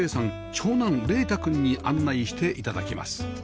長男羚太君に案内して頂きます